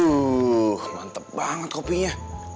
buh mantep banget kopinya